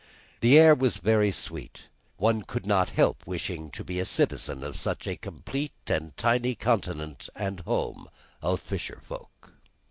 The air was very sweet; one could not help wishing to be a citizen of such a complete and tiny continent and home of fisherfolk.